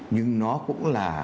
nhưng nó cũng là